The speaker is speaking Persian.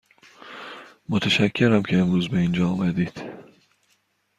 متشکرم که امروز به اینجا آمدید.